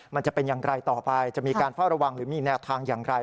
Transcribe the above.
มันจะเป็นอย่างไรต่อไปจะมีการเฝ้าระวังหรือมีแนวทางอย่างไร